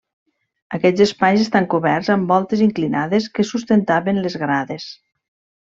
Aquests espais estan coberts amb voltes inclinades que sustentaven les grades.